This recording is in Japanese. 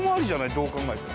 どう考えても。